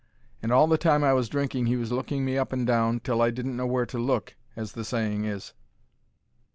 And all the time I was drinking he was looking me up and down, till I didn't know where to look, as the saying is.